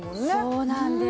そうなんです。